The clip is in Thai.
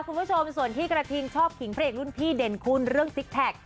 คุณผู้ชมส่วนที่กระทิงชอบขิงพระเอกรุ่นพี่เด่นคุณเรื่องซิกแพค